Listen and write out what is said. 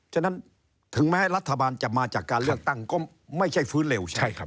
ฉะนั้นถึงแม้รัฐบาลจะมาจากการเลือกตั้งก็ไม่ใช่ฟื้นเร็วใช่ไหม